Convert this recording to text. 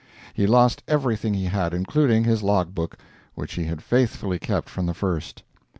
He lost everything he had, including his log book, which he had faithfully kept from the first.